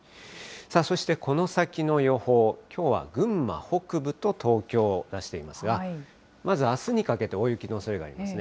そしてこの先の予報、きょうは群馬北部と東京を出していますが、まずあすにかけて大雪のおそれがありますね。